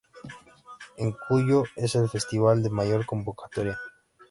En Cuyo, es el festival de mayor convocatoria.